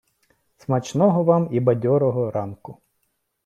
Смачного вам і бадьорого ранку!